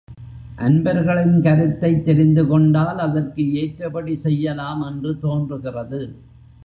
அன்பர்களின் கருத்தைத் தெரிந்து கொண்டால் அதற்கு ஏற்றபடி செய்யலாம் என்று தோன்றுகிறது.